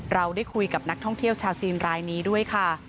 เราได้คุยกับนักท่องเที่ยวชาวจีนรายนี้ด้วยค่ะ